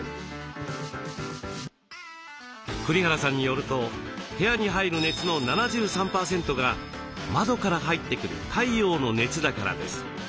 栗原さんによると部屋に入る熱の７３％が窓から入ってくる太陽の熱だからです。